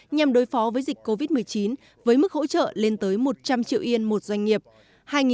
nhằm đối phó với dịch covid một mươi chín với mức hỗ trợ lên tới một trăm linh triệu yên